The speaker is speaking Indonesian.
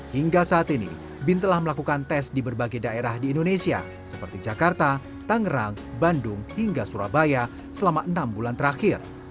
hingga saat ini bin telah melakukan tes di berbagai daerah di indonesia seperti jakarta tangerang bandung hingga surabaya selama enam bulan terakhir